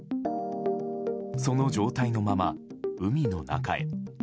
その状態のまま、海の中へ。